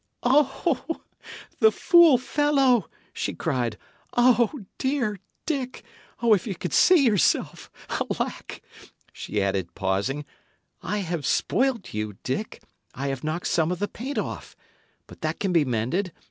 "Oh, the fool fellow!" she cried. "Oh, dear Dick! Oh, if ye could see yourself! Alack!" she added, pausing. "I have spoilt you, Dick! I have knocked some of the paint off. But that can be mended.